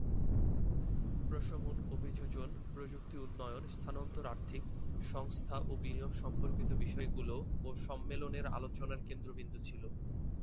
প্রশমন, অভিযোজন, প্রযুক্তির উন্নয়ন, স্থানান্তর, আর্থিক সংস্থান এবং বিনিয়োগ সম্পর্কিত বিষয়গুলো এ সম্মেলনের আলোচনার কেন্দ্রবিন্দু ছিল।